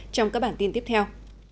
trong các bản tin tiếp theo